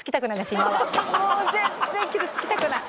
今はもう全然傷つきたくない。